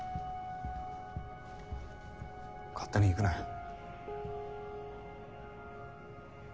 勝手に行くなよ。